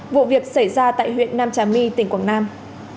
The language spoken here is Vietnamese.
vụ việc xảy ra tại huyện nam trà my tỉnh quảng nam